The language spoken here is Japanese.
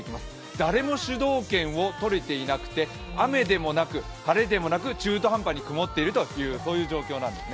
誰も主導権を取れていなくて、雨でもなく、晴れでもなく中途半端に曇っているという状況なんですね。